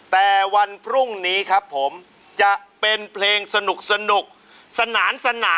เปล่าครับเคยเป็นอยู่วงวง